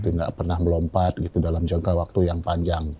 tidak pernah melompat gitu dalam jangka waktu yang panjang